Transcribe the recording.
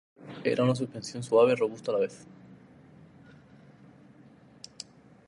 De hecho, era una suspensión suave y robusta a la vez.